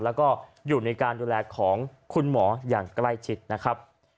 แล้วก็อยู่ในการดูแลของคุณหมออย่างใกล้ชิดนะครับ